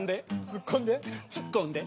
ツッコんで！」